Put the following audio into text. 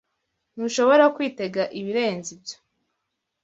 Ntushobora kwitega ibirenze ibyo.